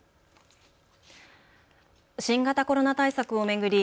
新型コロナ対策を巡り